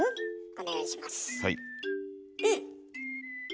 お願いします。